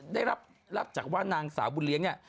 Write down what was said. ได้รับจากว่านางสาวบุญเลี้ยงเนี่ย